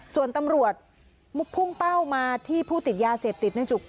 ส่วนตำรวจพุ่งเป้ามาที่ผู้ติดยาเสพติดในจุก